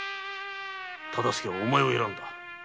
忠相はお前を選んだ。